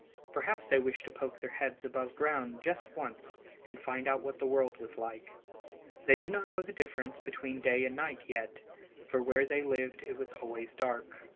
Perhaps they wished to poke their heads above ground just once and find out what the world was like. They did not know the difference between day and night yet, for where they lived it was always dark.